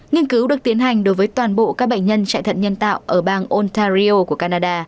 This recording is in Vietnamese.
nghiên cứu được tiến hành đối với toàn bộ các bệnh nhân